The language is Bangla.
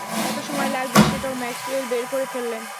কত সময় লাগবে, সেটাও ম্যাক্সওয়েল বের করে ফেললেন।